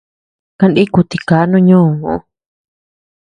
Kaníku tikaa no ñoʼo.